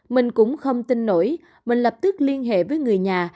mình cũng không tin nổi mình lập tức liên hệ với người nhà